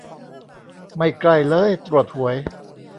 ไม่ใกล้เล้ย ตรวจหวย